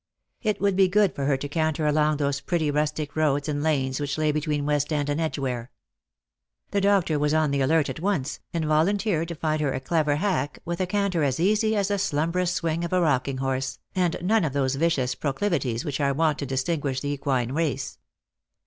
It would be good for her to canter along those pretty rustic roads and lanes which lay between West end and Edgeware. The doctor was on the alert at once, and volunteered to find her a clever hack, with a canter As easy as the slumberous swing of a rocking horse, and none of those vicious proclivities which are wont to distinguish the equine race.